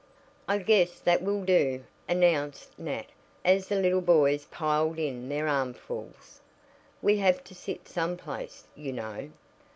"I guess that will do," announced Nat, as the little boys piled in their armfuls. "We have to sit some place, you know."